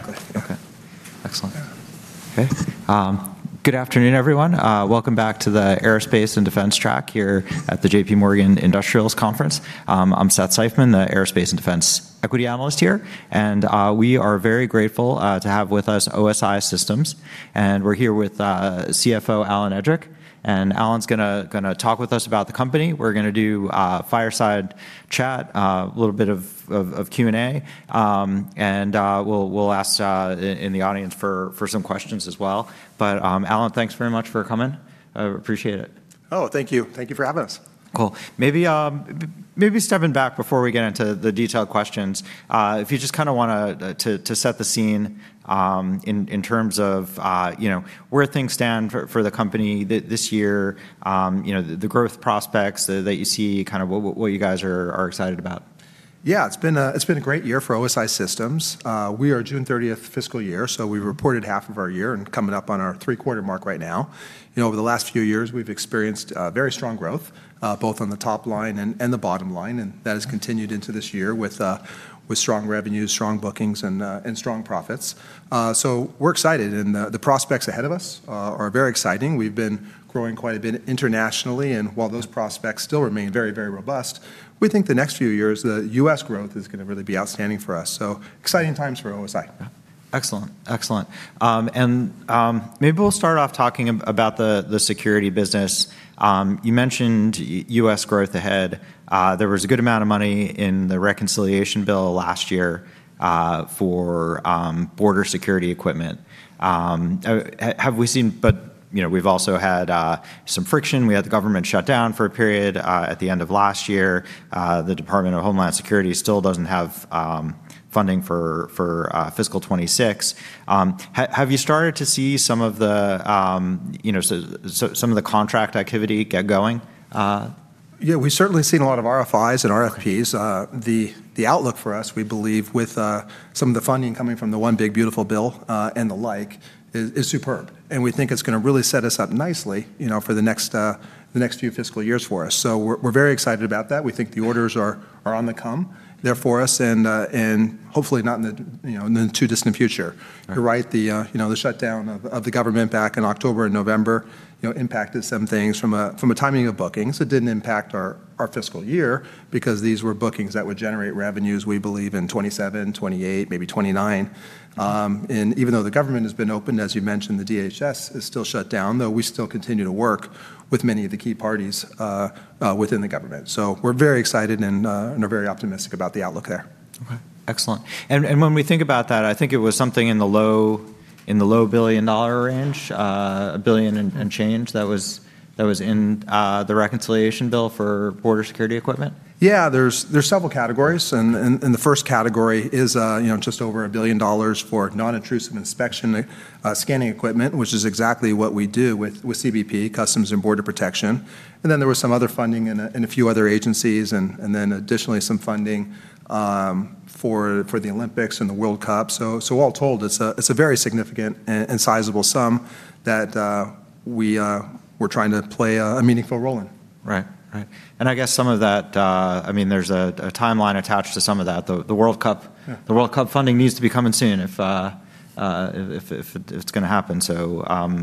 Exactly. Okay. Excellent. Yeah. Okay. Good afternoon, everyone. Welcome back to the Aerospace and Defense track here at the JPMorgan Industrials Conference. I'm Seth Seifman, the Aerospace and Defense Equity Analyst here. We are very grateful to have with us OSI Systems. We're here with CFO Alan Edrick, and Alan's gonna talk with us about the company. We're gonna do fireside chat, a little bit of Q&A. We'll ask in the audience for some questions as well. Alan, thanks very much for coming. I appreciate it. Oh, thank you. Thank you for having us. Cool. Maybe stepping back before we get into the detailed questions, if you just kinda wanna to set the scene, in terms of, you know, where things stand for the company this year, you know, the growth prospects that you see, kind of what you guys are excited about. It's been a great year for OSI Systems. We are a June 30th fiscal year, so we reported half of our year and coming up on our three-quarter mark right now. You know, over the last few years, we've experienced very strong growth both on the top line and the bottom line, and that has continued into this year with strong revenues, strong bookings, and strong profits. We're excited, and the prospects ahead of us are very exciting. We've been growing quite a bit internationally, and while those prospects still remain very, very robust, we think the next few years, the U.S. growth is gonna really be outstanding for us. Exciting times for OSI. Yeah. Excellent. Maybe we'll start off talking about the security business. You mentioned U.S. growth ahead. There was a good amount of money in the reconciliation bill last year for border security equipment. Have we seen? You know, we've also had some friction. We had the government shut down for a period at the end of last year. The Department of Homeland Security still doesn't have funding for fiscal 2026. Have you started to see some of the, you know, some of the contract activity get going? Yeah, we've certainly seen a lot of RFIs and RFPs. The outlook for us, we believe, with some of the funding coming from the One Big Beautiful Bill, and the like, is superb, and we think it's gonna really set us up nicely, you know, for the next few fiscal years for us. We're very excited about that. We think the orders are on the come there for us and hopefully not in the, you know, in the too distant future. You're right. The you know, the shutdown of the government back in October and November, you know, impacted some things from a timing of bookings. It didn't impact our fiscal year because these were bookings that would generate revenues, we believe, in 2027, 2028, maybe 2029. Even though the government has been opened, as you mentioned, the DHS is still shut down, though we still continue to work with many of the key parties within the government. We're very excited and are very optimistic about the outlook there. Okay. Excellent. When we think about that, I think it was something in the low $1 billion range, a $1 billion and change that was in the reconciliation bill for border security equipment? Yeah. There's several categories and the first category is, you know, just over $1 billion for non-intrusive inspection, scanning equipment, which is exactly what we do with CBP, Customs and Border Protection. Then there was some other funding in a few other agencies and then additionally some funding for the Olympics and the World Cup. All told, it's a very significant and sizable sum that we're trying to play a meaningful role in. Right. I guess some of that, I mean, there's a timeline attached to some of that. The World Cup. The World Cup funding needs to be coming soon if it's gonna happen.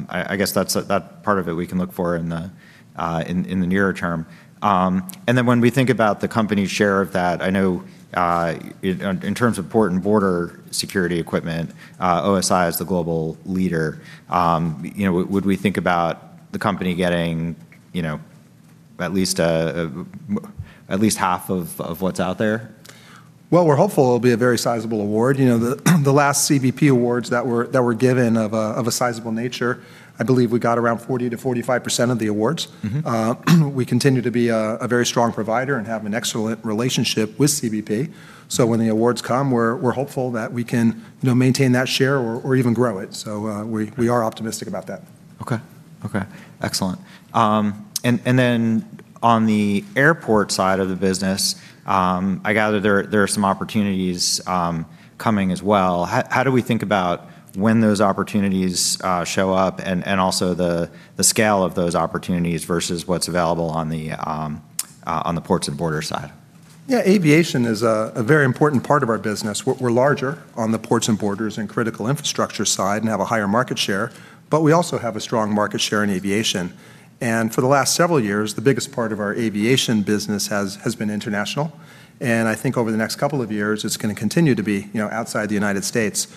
I guess that's that part of it we can look for in the nearer term. When we think about the company's share of that, I know, in terms of port and border security equipment, OSI is the global leader. You know, would we think about the company getting, you know, at least half of what's out there? Well, we're hopeful it'll be a very sizable award. You know, the last CBP awards that were given of a sizable nature, I believe we got around 40%-45% of the awards. We continue to be a very strong provider and have an excellent relationship with CBP. When the awards come, we're hopeful that we can, you know, maintain that share or even grow it. We are optimistic about that. Okay. Excellent. On the airport side of the business, I gather there are some opportunities coming as well. How do we think about when those opportunities show up and also the scale of those opportunities versus what's available on the ports and border side? Yeah, aviation is a very important part of our business. We're larger on the ports and borders and critical infrastructure side and have a higher market share, but we also have a strong market share in aviation. For the last several years, the biggest part of our aviation business has been international, and I think over the next couple of years, it's gonna continue to be, you know, outside the United States.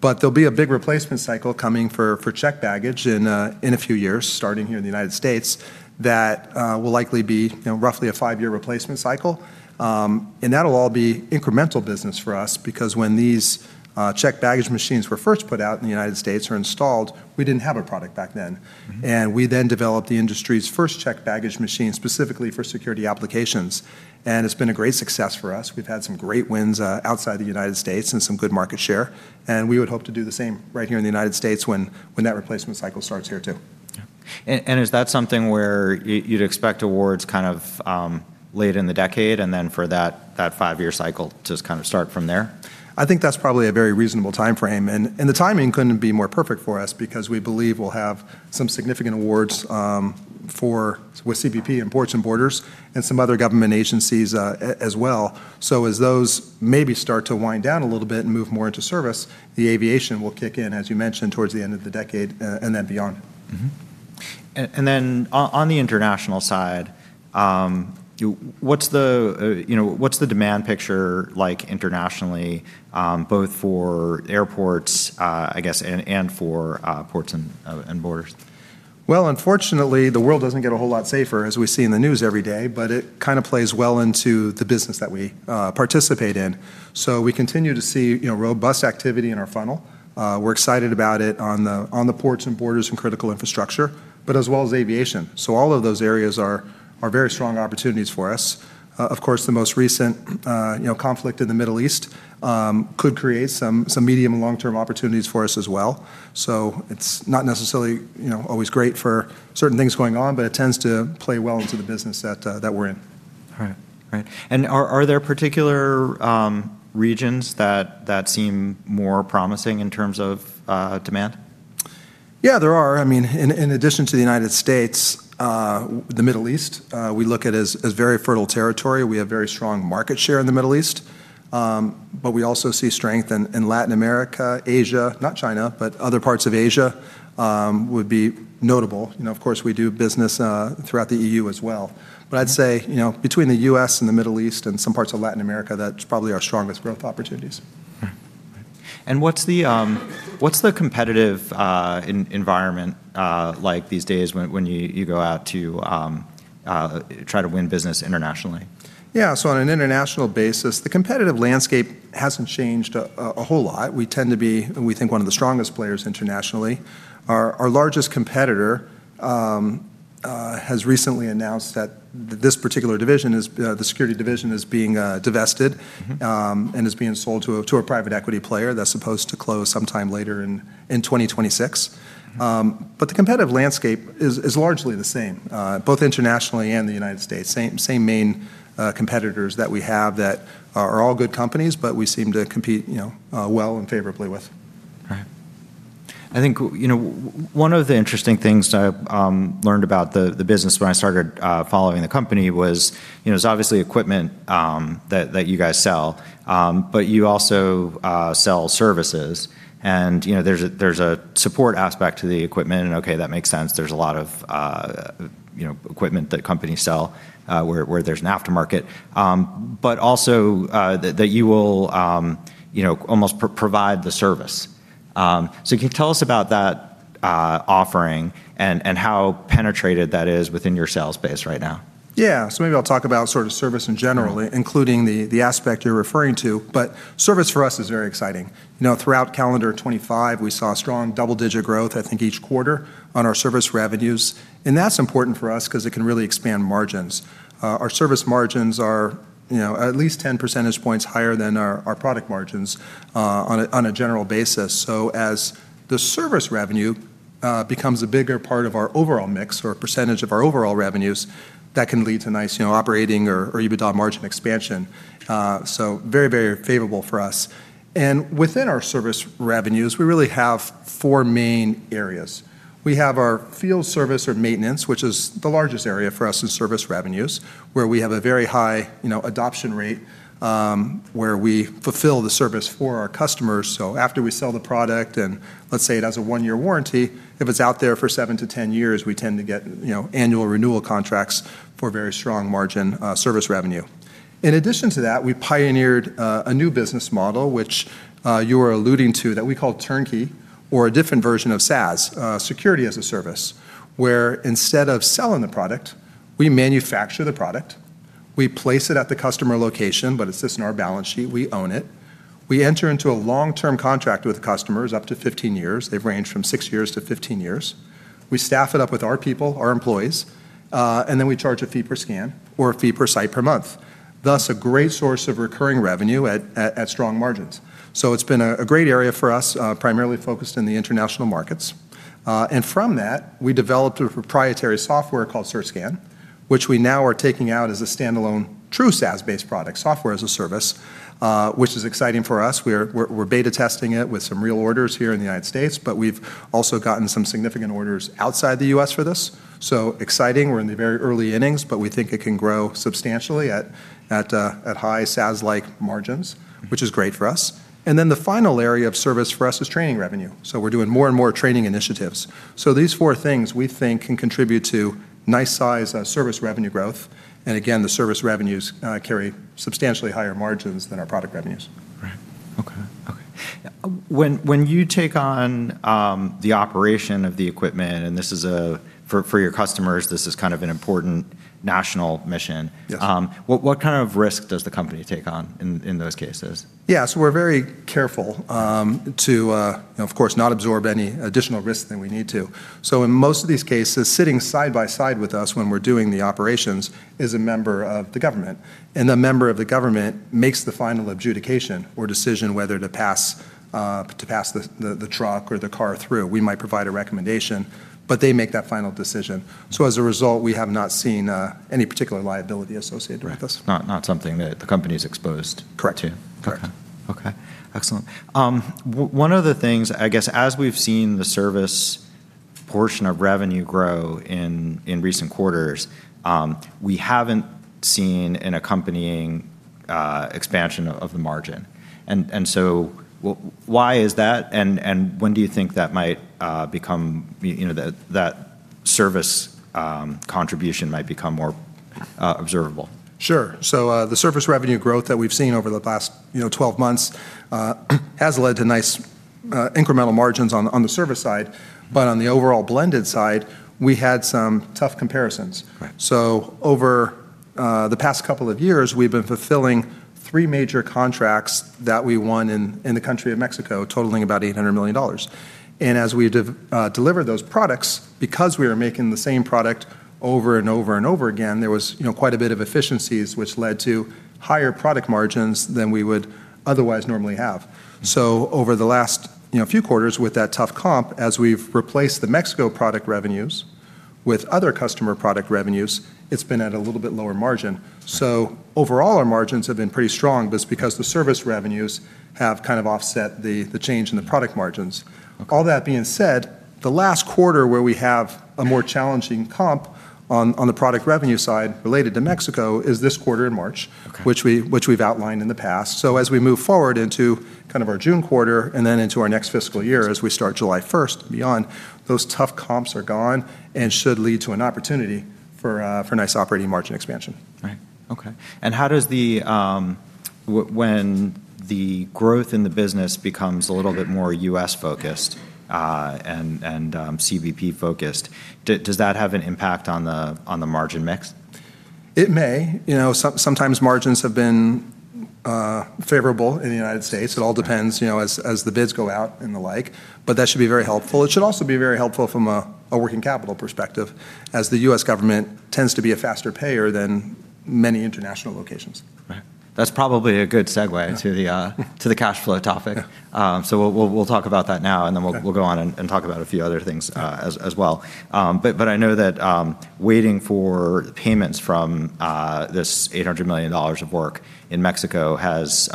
There'll be a big replacement cycle coming for checked baggage in a few years, starting here in the United States, that will likely be, you know, roughly a five-year replacement cycle. That'll all be incremental business for us because when these checked baggage machines were first put out in the United States or installed, we didn't have a product back then. We then developed the industry's first checked baggage machine specifically for security applications, and it's been a great success for us. We've had some great wins outside the United States and some good market share, and we would hope to do the same right here in the United States when that replacement cycle starts here too. Is that something where you'd expect awards kind of late in the decade, and then for that five-year cycle to just kind of start from there? I think that's probably a very reasonable timeframe, and the timing couldn't be more perfect for us because we believe we'll have some significant awards for, with CBP and Ports and Borders and some other government agencies, as well. As those maybe start to wind down a little bit and move more into service, the aviation will kick in, as you mentioned, towards the end of the decade, and then beyond. Mm-hmm. Then on the international side, you know, what's the demand picture like internationally, both for airports, I guess, and for ports and borders? Well, unfortunately, the world doesn't get a whole lot safer as we see in the news every day, but it kinda plays well into the business that we participate in. We continue to see, you know, robust activity in our funnel. We're excited about it on the ports and borders and critical infrastructure, but as well as aviation. All of those areas are very strong opportunities for us. Of course, the most recent, you know, conflict in the Middle East could create some medium and long-term opportunities for us as well. It's not necessarily, you know, always great for certain things going on, but it tends to play well into the business that we're in. Right. Are there particular regions that seem more promising in terms of demand? Yeah, there are. I mean, in addition to the United States, the Middle East, we look at as very fertile territory. We have very strong market share in the Middle East. We also see strength in Latin America, Asia, not China, but other parts of Asia, would be notable. You know, of course, we do business throughout the E.U. as well. I'd say, you know, between the U.S. and the Middle East and some parts of Latin America, that's probably our strongest growth opportunities. What's the competitive environment like these days when you go out to try to win business internationally? Yeah. On an international basis, the competitive landscape hasn't changed a whole lot. We tend to be, we think, one of the strongest players internationally. Our largest competitor has recently announced that this particular division is the security division is being divested. Is being sold to a private equity player. That's supposed to close sometime later in 2026. The competitive landscape is largely the same, both internationally and the United States. Same main competitors that we have that are all good companies, but we seem to compete, you know, well and favorably with. Right. I think, you know, one of the interesting things I learned about the business when I started following the company was, you know, it's obviously equipment that you guys sell, but you also sell services. You know, there's a support aspect to the equipment, and okay, that makes sense. There's a lot of, you know, equipment that companies sell where there's an aftermarket. Also, that you will, you know, almost provide the service. Can you tell us about that offering and how penetrated that is within your sales base right now? Yeah. Maybe I'll talk about sort of service in general. Including the aspect you're referring to. Service for us is very exciting. You know, throughout calendar 2025, we saw strong double-digit growth, I think, each quarter on our service revenues. That's important for us 'cause it can really expand margins. Our service margins are, you know, at least 10 percentage points higher than our product margins on a general basis. As the service revenue becomes a bigger part of our overall mix or percentage of our overall revenues, that can lead to nice, you know, operating or EBITDA margin expansion. Very, very favorable for us. Within our service revenues, we really have four main areas. We have our field service or maintenance, which is the largest area for us is service revenues, where we have a very high, you know, adoption rate, where we fulfill the service for our customers. After we sell the product, and let's say it has a one-year warranty, if it's out there for 7-10 years, we tend to get, you know, annual renewal contracts for very strong margin, service revenue. In addition to that, we pioneered a new business model, which, you were alluding to, that we call turnkey or a different version of SaaS, security as a service, where instead of selling the product, we manufacture the product, we place it at the customer location, but it's just in our balance sheet, we own it. We enter into a long-term contract with customers up to 15 years. They've ranged from 6 years to 15 years. We staff it up with our people, our employees, and then we charge a fee per scan or a fee per site per month, thus a great source of recurring revenue at strong margins. It's been a great area for us, primarily focused in the international markets. From that, we developed a proprietary software called CertScan®, which we now are taking out as a standalone true SaaS-based product, software as a service, which is exciting for us. We're beta testing it with some real orders here in the United States, but we've also gotten some significant orders outside the U.S. for this, so exciting. We're in the very early innings, but we think it can grow substantially at high SaaS-like margins, which is great for us. The final area of service for us is training revenue. We're doing more and more training initiatives. These four things we think can contribute to nice size service revenue growth. Again, the service revenues carry substantially higher margins than our product revenues. Right. Okay. When you take on the operation of the equipment, and this is for your customers, this is kind of an important national mission. What kind of risk does the company take on in those cases? Yeah. We're very careful to, you know, of course, not absorb any additional risk than we need to. In most of these cases, sitting side by side with us when we're doing the operations is a member of the government, and the member of the government makes the final adjudication or decision whether to pass the truck or the car through. We might provide a recommendation, but they make that final decision. As a result, we have not seen any particular liability associated with this. Right. Not something that the company is exposed to. Correct. Okay. Excellent. One of the things, I guess, as we've seen the service portion of revenue grow in recent quarters, we haven't seen an accompanying expansion of the margin. Why is that, and when do you think that might become, you know, that service contribution might become more observable? Sure. The service revenue growth that we've seen over the past, you know, 12 months, has led to nice, incremental margins on the service side. On the overall blended side, we had some tough comparisons. Over the past couple of years, we've been fulfilling three major contracts that we won in the country of Mexico totaling about $800 million. As we deliver those products, because we are making the same product over and over and over again, there was quite a bit of efficiencies which led to higher product margins than we would otherwise normally have. Over the last few quarters with that tough comp, as we've replaced the Mexico product revenues with other customer product revenues, it's been at a little bit lower margin. Overall, our margins have been pretty strong, but it's because the service revenues have kind of offset the change in the product margins. All that being said, the last quarter where we have a more challenging comp on the product revenue side related to Mexico is this quarter in March which we've outlined in the past. As we move forward into kind of our June quarter and then into our next fiscal year as we start July 1st and beyond, those tough comps are gone and should lead to an opportunity for nice operating margin expansion. Right. Okay. How does, when the growth in the business becomes a little bit more U.S.-focused and CBP-focused, does that have an impact on the margin mix? It may. You know, sometimes margins have been favorable in the United States. It all depends, you know, as the bids go out and the like, but that should be very helpful. It should also be very helpful from a working capital perspective, as the U.S. government tends to be a faster payer than many international locations. Right. That's probably a good segue to the cash flow topic. We'll talk about that now, and then we'll. We'll go on and talk about a few other things, as well. I know that waiting for payments from this $800 million of work in Mexico has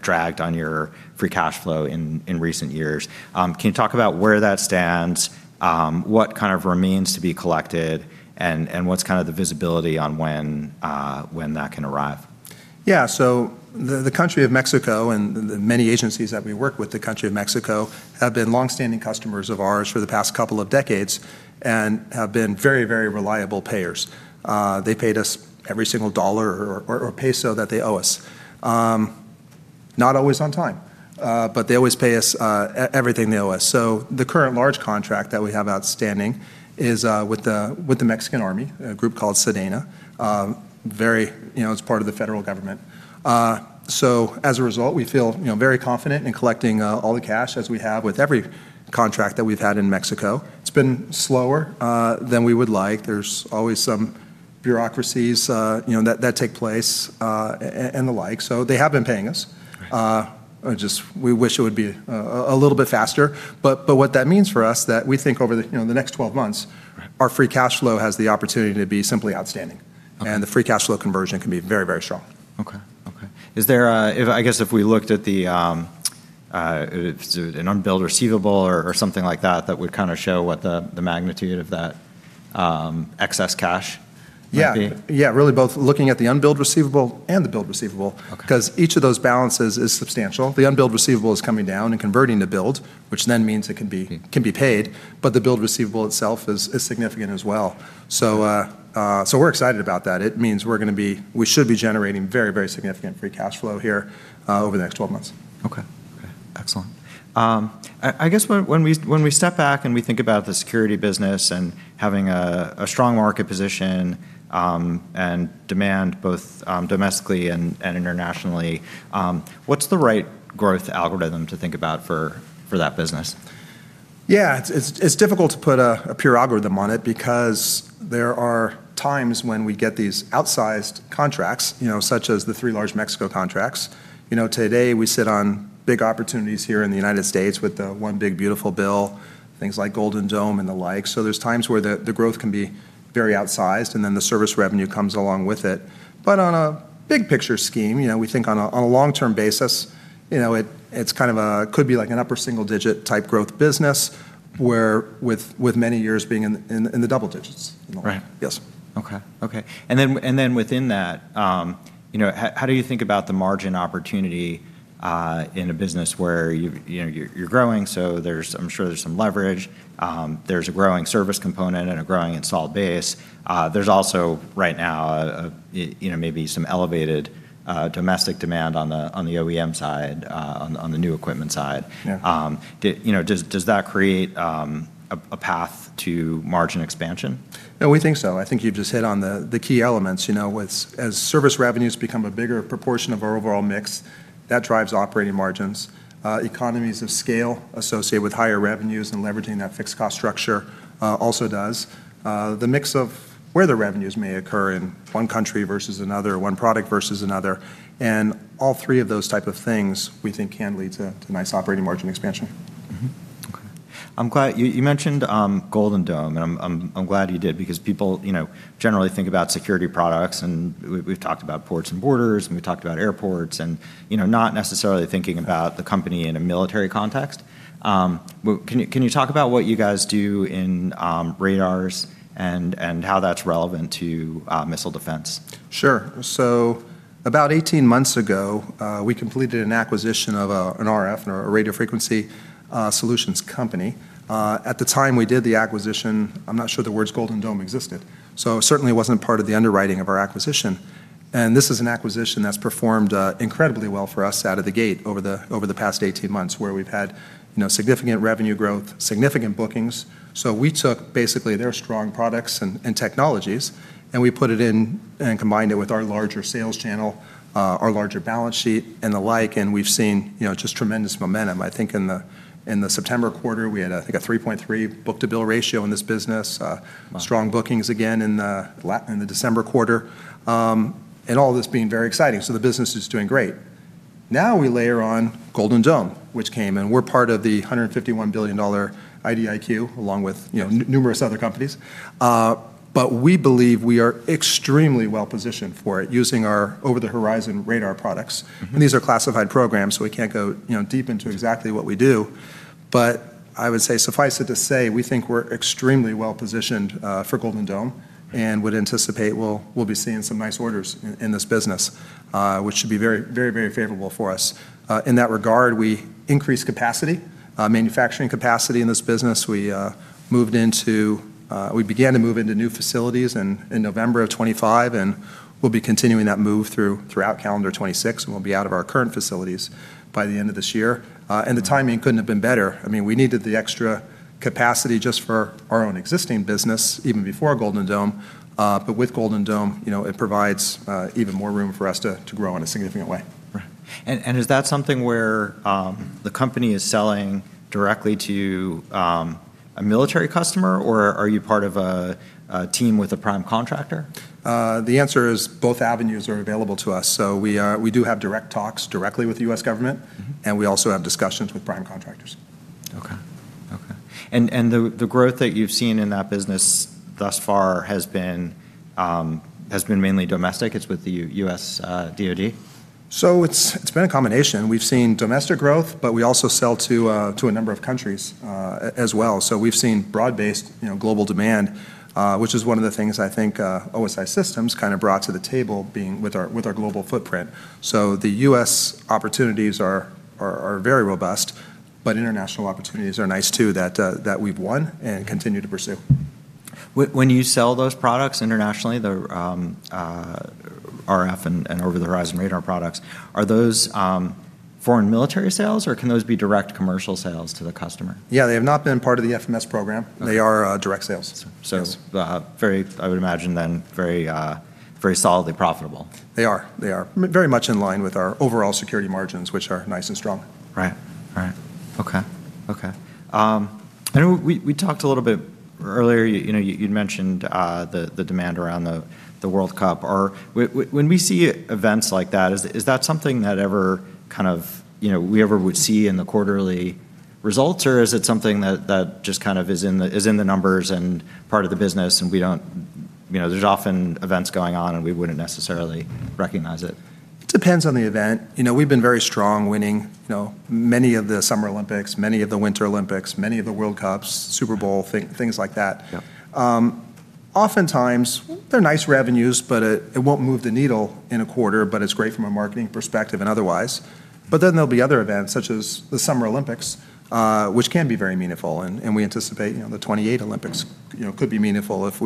dragged on your free cash flow in recent years. Can you talk about where that stands, what kind of remains to be collected and what's kind of the visibility on when that can arrive? Yeah. The country of Mexico and the many agencies that we work with the country of Mexico have been longstanding customers of ours for the past couple of decades and have been very reliable payers. They paid us every single dollar or peso that they owe us. Not always on time, but they always pay us, everything they owe us. The current large contract that we have outstanding is with the Mexican army, a group called SEDENA, very, you know, it's part of the federal government. As a result, we feel, you know, very confident in collecting all the cash as we have with every contract that we've had in Mexico. It's been slower than we would like. There's always some bureaucracies, you know, that take place, and the like. They have been paying us. Just, we wish it would be a little bit faster, but what that means for us that we think over the, you know, the next 12 months. Our free cash flow has the opportunity to be simply outstanding. The free cash flow conversion can be very, very strong. Okay. I guess if we looked at an unbilled receivable or something like that would kind of show what the magnitude of that excess cash might be. Yeah. Yeah, really both looking at the unbilled receivable and the billed receivable 'cause each of those balances is substantial. The unbilled receivable is coming down and converting to billed, which then means it can be paid, but the billed receivable itself is significant as well. We're excited about that. It means we should be generating very, very significant free cash flow here over the next 12 months. Okay. Excellent. I guess when we step back and we think about the security business and having a strong market position, and demand both, domestically and internationally, what's the right growth algorithm to think about for that business? Yeah. It's difficult to put a pure algorithm on it because there are times when we get these outsized contracts, you know, such as the three large Mexico contracts. You know, today we sit on big opportunities here in the United States with the One Big Beautiful Bill, things like Golden Dome and the like. There's times where the growth can be very outsized, and then the service revenue comes along with it. On a big picture scheme, you know, we think on a long-term basis, you know, it's kind of a, could be like an upper single digit type growth business where with many years being in the double digits in the long run. Right. Yes. Okay. Within that, you know, how do you think about the margin opportunity in a business where you know, you're growing, so there's, I'm sure there's some leverage, there's a growing service component and a growing installed base. There's also right now, you know, maybe some elevated domestic demand on the OEM side, on the new equipment side. You know, does that create a path to margin expansion? No, we think so. I think you've just hit on the key elements. You know, with as service revenues become a bigger proportion of our overall mix, that drives operating margins. Economies of scale associated with higher revenues and leveraging that fixed cost structure also does. The mix of where the revenues may occur in one country versus another, one product versus another, and all three of those type of things we think can lead to nice operating margin expansion. Mm-hmm. Okay. I'm glad you mentioned Golden Dome, and I'm glad you did because people, you know, generally think about security products, and we've talked about ports and borders, and we've talked about airports and, you know, not necessarily thinking about the company in a military context. But can you talk about what you guys do in radars and how that's relevant to missile defense? Sure. About 18 months ago, we completed an acquisition of an RF, or a radio frequency, solutions company. At the time we did the acquisition, I'm not sure the words Golden Dome existed, so it certainly wasn't part of the underwriting of our acquisition. This is an acquisition that's performed incredibly well for us out of the gate over the past 18 months, where we've had, you know, significant revenue growth, significant bookings. We took basically their strong products and technologies, and we put it in and combined it with our larger sales channel, our larger balance sheet, and the like, and we've seen, you know, just tremendous momentum. I think in the September quarter, we had, I think, a 3.3 book-to-bill ratio in this business. Strong bookings again in the December quarter. All this being very exciting, so the business is doing great. Now we layer on Golden Dome, which came, and we're part of the $151 billion IDIQ along with numerous other companies. We believe we are extremely well positioned for it using our over-the-horizon radar products. These are classified programs, so we can't go, you know, deep into exactly what we do. I would say suffice it to say we think we're extremely well positioned for Golden Dome and would anticipate we'll be seeing some nice orders in this business, which should be very favorable for us. In that regard, we increased manufacturing capacity in this business. We began to move into new facilities in November of 2025, and we'll be continuing that move throughout calendar 2026, and we'll be out of our current facilities by the end of this year. The timing couldn't have been better. I mean, we needed the extra capacity just for our own existing business even before Golden Dome. With Golden Dome, you know, it provides even more room for us to grow in a significant way. Right. Is that something where the company is selling directly to a military customer, or are you part of a team with a prime contractor? The answer is both avenues are available to us. We do have direct talks directly with the U.S. government. We also have discussions with prime contractors. Okay. The growth that you've seen in that business thus far has been mainly domestic? It's with the U.S. DOD? It's been a combination. We've seen domestic growth, but we also sell to a number of countries as well. We've seen broad-based, you know, global demand, which is one of the things I think OSI Systems kinda brought to the table being with our global footprint. The U.S. opportunities are very robust, but international opportunities are nice too that we've won and continue to pursue. When you sell those products internationally, the RF and over-the-horizon radar products, are those foreign military sales, or can those be direct commercial sales to the customer? Yeah, they have not been part of the FMS program. They are direct sales. It's very, I would imagine then, very solidly profitable. They are very much in line with our overall security margins, which are nice and strong. Right. Okay. We talked a little bit earlier, you know, you'd mentioned the demand around the World Cup. When we see events like that, is that something that ever kind of, you know, we ever would see in the quarterly results, or is it something that just kind of is in the numbers and part of the business? You know, there's often events going on, and we wouldn't necessarily recognize it. It depends on the event. You know, we've been very strong winning, you know, many of the Summer Olympics, many of the Winter Olympics, many of the World Cups, Super Bowl, things like that. Oftentimes, they're nice revenues, but it won't move the needle in a quarter, but it's great from a marketing perspective and otherwise. There'll be other events, such as the Summer Olympics, which can be very meaningful, and we anticipate, you know, the 2028 Olympics, you know, could be meaningful if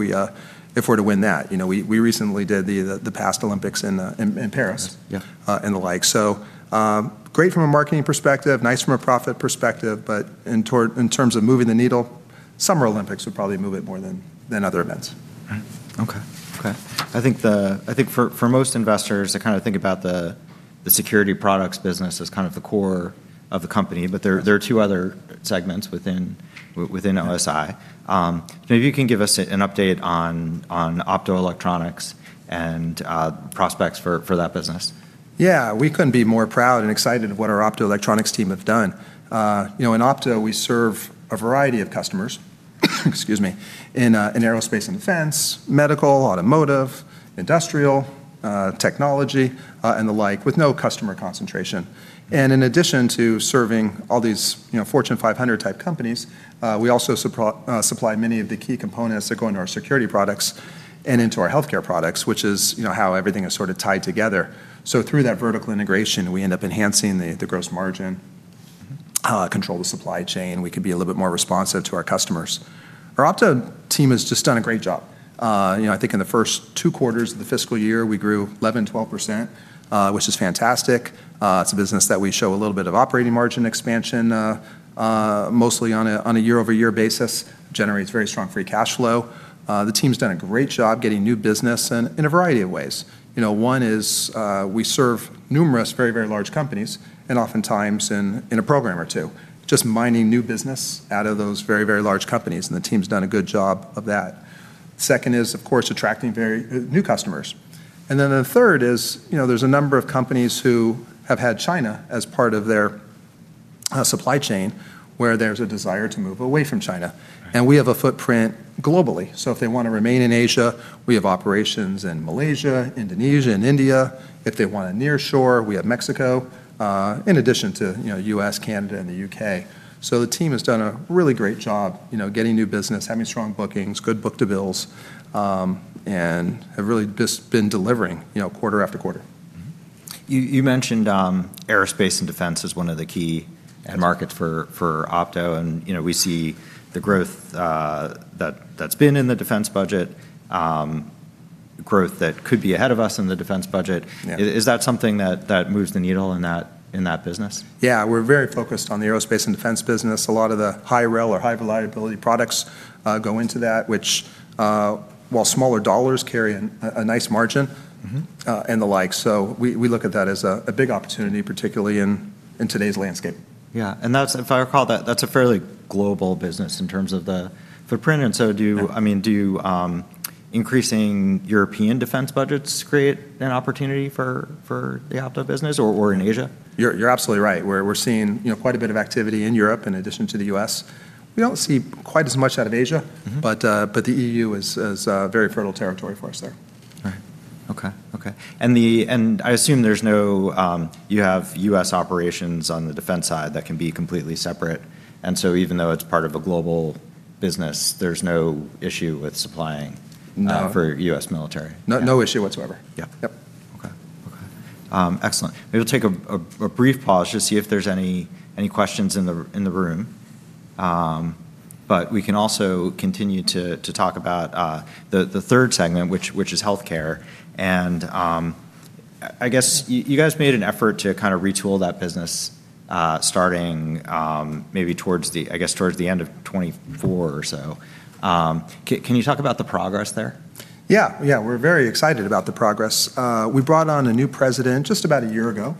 we're to win that. You know, we recently did the past Olympics in Paris and the like. Great from a marketing perspective, nice from a profit perspective, but in terms of moving the needle, Summer Olympics would probably move it more than other events. I think for most investors to kind of think about the security products business as kind of the core of the company. There are two other segments within OSI. Maybe you can give us an update on optoelectronics and prospects for that business? Yeah. We couldn't be more proud and excited of what our optoelectronics team have done. You know, in opto, we serve a variety of customers, excuse me, in aerospace and defense, medical, automotive, industrial, technology, and the like, with no customer concentration. In addition to serving all these, you know, Fortune 500 type companies, we also supply many of the key components that go into our security products and into our healthcare products, which is, you know, how everything is sort of tied together. Through that vertical integration, we end up enhancing the gross margin. Control the supply chain. We can be a little bit more responsive to our customers. Our opto team has just done a great job. You know, I think in the first two quarters of the fiscal year, we grew 11%-12%, which is fantastic. It's a business that we show a little bit of operating margin expansion, mostly on a year-over-year basis, generates very strong free cash flow. The team's done a great job getting new business in a variety of ways. You know, one is, we serve numerous very large companies, and oftentimes in a program or two, just mining new business out of those very large companies, and the team's done a good job of that. Second is, of course, attracting very new customers. The third is, you know, there's a number of companies who have had China as part of their supply chain, where there's a desire to move away from China. We have a footprint globally, so if they wanna remain in Asia, we have operations in Malaysia, Indonesia, and India. If they want a nearshore, we have Mexico, in addition to, you know, U.S., Canada, and the U.K. The team has done a really great job, you know, getting new business, having strong bookings, good book-to-bill, and have really just been delivering, you know, quarter after quarter. You mentioned aerospace and defense as one of the key end markets for opto, and you know, we see the growth that's been in the defense budget, growth that could be ahead of us in the defense budget. Is that something that moves the needle in that business? Yeah, we're very focused on the aerospace and defense business. A lot of the Hi-Rel or high reliability products go into that, which, while smaller dollars carry a nice margin and the like. We look at that as a big opportunity, particularly in today's landscape. Yeah. That's, if I recall that's a fairly global business in terms of the footprint. Do, I mean, do increasing European defense budgets create an opportunity for the opto business or in Asia? You're absolutely right. We're seeing, you know, quite a bit of activity in Europe in addition to the U.S. We don't see quite as much out of Asia. The EU is very fertile territory for us there. Right. Okay. I assume there's no, you have U.S. operations on the defense side that can be completely separate, and so even though it's part of a global business, there's no issue with supplying for U.S. military. No, no issue whatsoever. Yeah. Yep. Excellent. Maybe we'll take a brief pause to see if there's any questions in the room. We can also continue to talk about the third segment, which is healthcare. I guess you guys made an effort to kind of retool that business, starting maybe towards the end of 2024 or so. Can you talk about the progress there? Yeah. We're very excited about the progress. We brought on a new president just about a year ago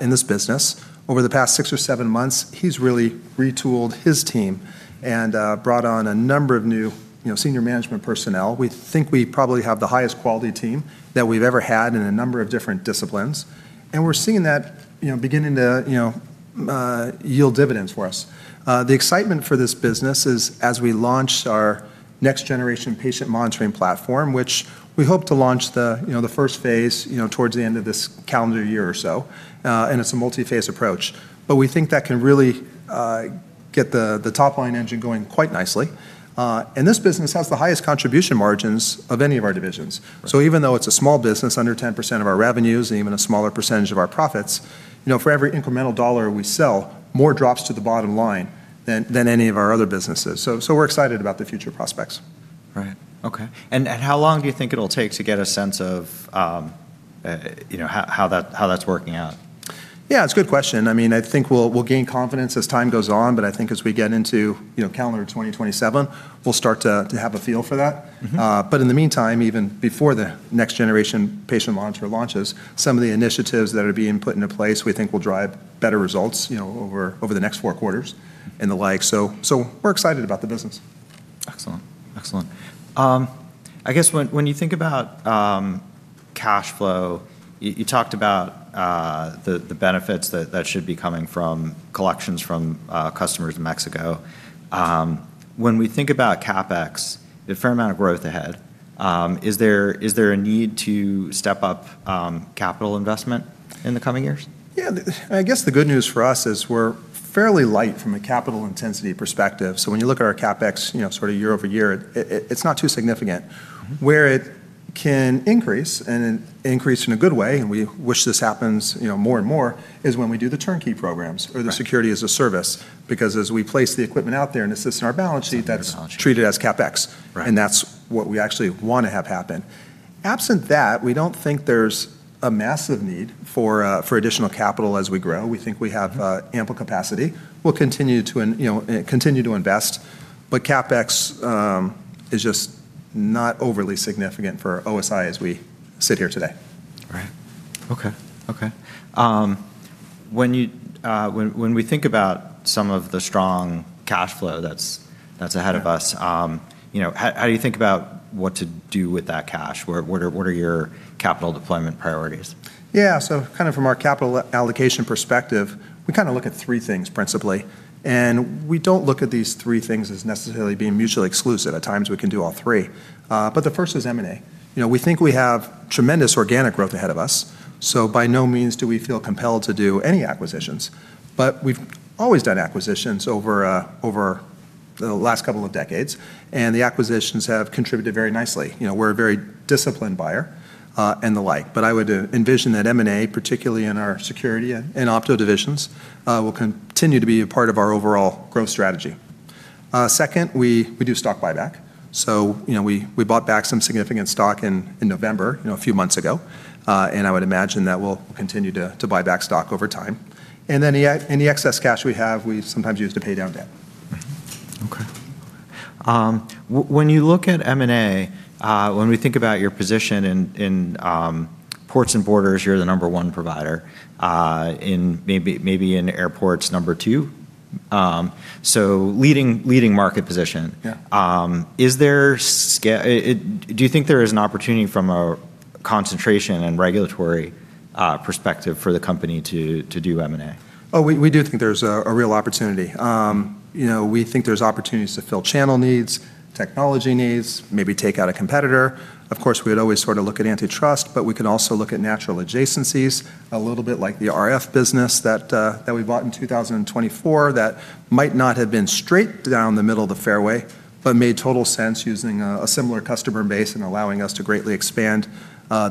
in this business. Over the past six or seven months, he's really retooled his team and brought on a number of new, you know, senior management personnel. We think we probably have the highest quality team that we've ever had in a number of different disciplines, and we're seeing that, you know, beginning to, you know, yield dividends for us. The excitement for this business is as we launched our next generation patient monitoring platform, which we hope to launch the, you know, the first phase, you know, towards the end of this calendar year or so, and it's a multi-phase approach. We think that can really get the top line engine going quite nicely. This business has the highest contribution margins of any of our divisions. Even though it's a small business, under 10% of our revenues and even a smaller percentage of our profits, you know, for every incremental dollar we sell, more drops to the bottom line than any of our other businesses. We're excited about the future prospects. Right. Okay. How long do you think it'll take to get a sense of, you know, how that's working out? Yeah, it's a good question. I mean, I think we'll gain confidence as time goes on, but I think as we get into, you know, calendar 2027, we'll start to have a feel for that. In the meantime, even before the next generation patient monitor launches, some of the initiatives that are being put into place, we think will drive better results, you know, over the next four quarters and the like. We're excited about the business. Excellent. I guess when you think about cash flow, you talked about the benefits that should be coming from collections from customers in Mexico. When we think about CapEx, a fair amount of growth ahead, is there a need to step up capital investment in the coming years? Yeah. I guess the good news for us is we're fairly light from a capital intensity perspective. When you look at our CapEx, you know, sort of year-over-year, it's not too significant. Where it can increase in a good way, and we wish this happens, you know, more and more, is when we do the turnkey programs or the security as a service, because as we place the equipment out there and it sits in our balance sheet that's treated as CapEx. That's what we actually wanna have happen. Absent that, we don't think there's a massive need for additional capital as we grow. We think we have ample capacity. We'll continue to, you know, continue to invest, but CapEx is just not overly significant for OSI as we sit here today. Right. Okay. When we think about some of the strong cash flow that's ahead of us. You know, how do you think about what to do with that cash? What are your capital deployment priorities? From our capital allocation perspective, we kind of look at three things principally, and we don't look at these three things as necessarily being mutually exclusive. At times, we can do all three. The first is M&A. You know, we think we have tremendous organic growth ahead of us, so by no means do we feel compelled to do any acquisitions. We've always done acquisitions over the last couple of decades, and the acquisitions have contributed very nicely. You know, we're a very disciplined buyer, and the like. I would envision that M&A, particularly in our security and opto divisions, will continue to be a part of our overall growth strategy. Second, we do stock buyback. You know, we bought back some significant stock in November, you know, a few months ago, and I would imagine that we'll continue to buy back stock over time. Then any excess cash we have, we sometimes use to pay down debt. Okay. When you look at M&A, when we think about your position in ports and borders, you're the number one provider in maybe in airports number two. So leading market position. Do you think there is an opportunity from a concentration and regulatory perspective for the company to do M&A? Oh, we do think there's a real opportunity. You know, we think there's opportunities to fill channel needs, technology needs, maybe take out a competitor. Of course, we'd always sort of look at antitrust, but we can also look at natural adjacencies a little bit like the RF business that we bought in 2024 that might not have been straight down the middle of the fairway, but made total sense using a similar customer base and allowing us to greatly expand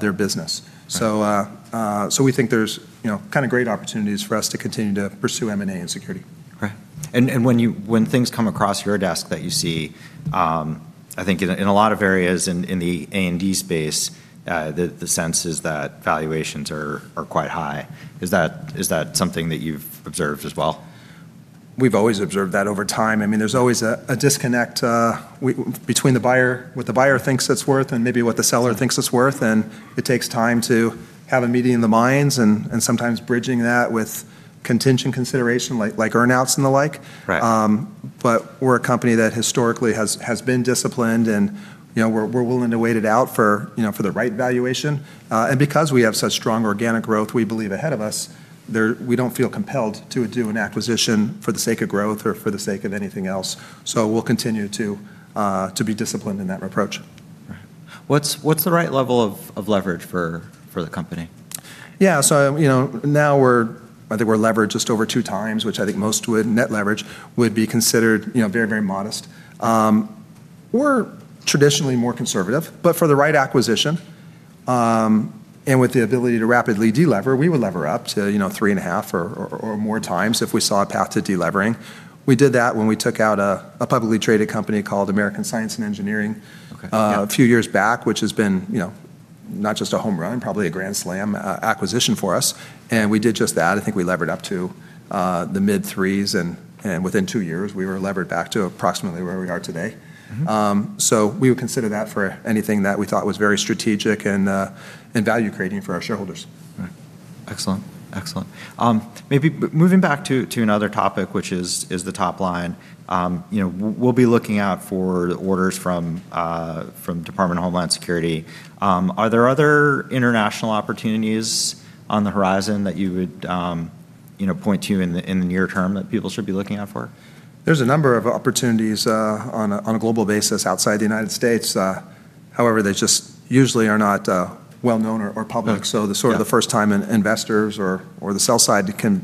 their business. We think there's, you know, kind of great opportunities for us to continue to pursue M&A and security. Okay. When things come across your desk that you see, I think in a lot of areas in the A&D space, the sense is that valuations are quite high. Is that something that you've observed as well? We've always observed that over time. I mean, there's always a disconnect between the buyer, what the buyer thinks it's worth and maybe what the seller thinks it's worth, and it takes time to have a meeting of the minds and sometimes bridging that with contingent consideration, like earn-outs and the like. We're a company that historically has been disciplined and, you know, we're willing to wait it out for, you know, for the right valuation. Because we have such strong organic growth we believe ahead of us, we don't feel compelled to do an acquisition for the sake of growth or for the sake of anything else. We'll continue to be disciplined in that approach. Right. What's the right level of leverage for the company? You know, now we're leveraged just over 2x, which I think most would consider net leverage very modest. We're traditionally more conservative. For the right acquisition and with the ability to rapidly de-lever, we would lever up to 3.5x or more if we saw a path to de-levering. We did that when we took out a publicly traded company called American Science and Engineering a few years back, which has been, you know, not just a home run, probably a grand slam, acquisition for us, and we did just that. I think we levered up to the mid threes and within two years we were levered back to approximately where we are today. We would consider that for anything that we thought was very strategic and value creating for our shareholders. Right. Excellent. Maybe moving back to another topic, which is the top line, you know, we'll be looking out for orders from Department of Homeland Security. Are there other international opportunities on the horizon that you would you know, point to in the near term that people should be looking out for? There's a number of opportunities on a global basis outside the United States. However, they just usually are not well known or public, so the sort of the first time investors or the sell side can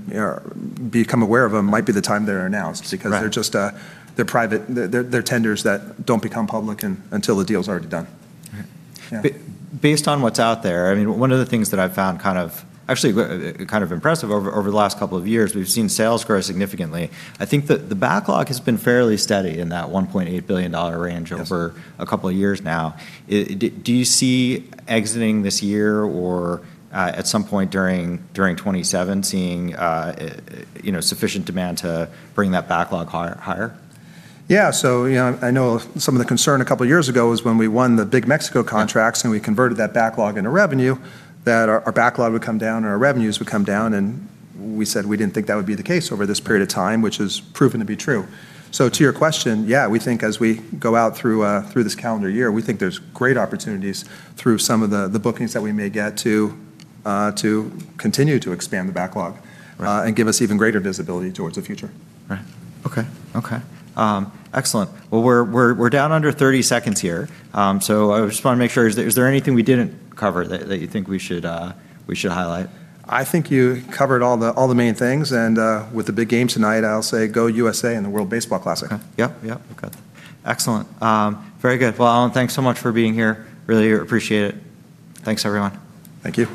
become aware of them might be the time they're announced, because they're just private tenders that don't become public until the deal's already done. Right. Yeah. Based on what's out there, I mean, one of the things that I've found kind of, actually kind of impressive over the last couple of years, we've seen sales grow significantly. I think the backlog has been fairly steady in that $1.8 billion range over a couple of years now. Do you see exiting this year or at some point during 2027, you know, sufficient demand to bring that backlog higher? Yeah. You know, I know some of the concern a couple of years ago was when we won the big Mexico contracts. We converted that backlog into revenue, that our backlog would come down and our revenues would come down, and we said we didn't think that would be the case over this period of time, which has proven to be true. To your question, yeah, we think as we go out through this calendar year, we think there's great opportunities through some of the bookings that we may get to continue to expand the backlog give us even greater visibility toward the future. Right. Okay. Excellent. Well, we're down under 30 seconds here. So I just wanna make sure, is there anything we didn't cover that you think we should highlight? I think you covered all the main things, and with the big game tonight, I'll say go USA in the World Baseball Classic. Okay. Yep. Good. Excellent. Very good. Well, Alan, thanks so much for being here. Really appreciate it. Thanks everyone. Thank you.